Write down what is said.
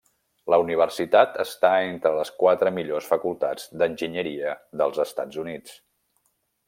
La universitat està entre les quatre millors facultats d'enginyeria dels Estats Units.